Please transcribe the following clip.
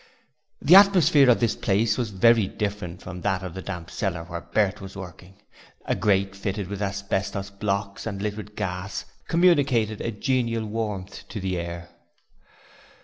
The atmosphere of this place was very different from that of the damp cellar where Bert was working. A grate fitted with asbestos blocks and lit with gas communicated a genial warmth to the air.